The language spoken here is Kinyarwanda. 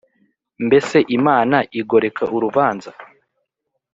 mbese imana igoreka urubanza’